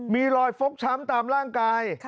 มีรอยฟกช้ำตามร่างกาย